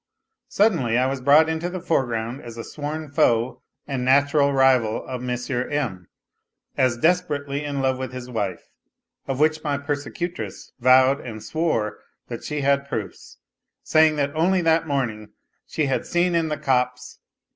Suddenly I was brought into the foreground as a sworn foe and natural rival of M. M., as desperately in love with his wife, of which my persecutress vowed and swore that she had. proofs, saying that only that morning she had seen in the copse.